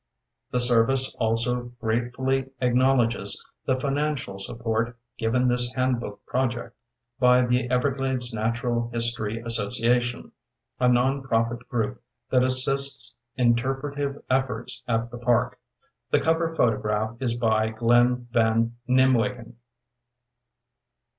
The Service also gratefully acknowledges the financial support given this handbook project by the Everglades Natural History Association, a nonprofit group that assists interpretive efforts at the park. The cover photograph is by Glenn van Nimwegen.